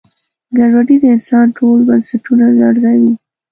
ګډوډي د انسان ټول بنسټونه لړزوي.